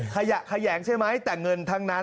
ขยะแขยงใช่ไหมแต่เงินทั้งนั้น